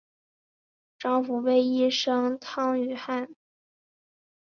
丈夫为医生汤于翰。